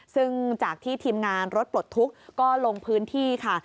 ซึ่งจากที่ทีมงานรถปลดทุกข์ก็ลงพื้นที่ค่ะ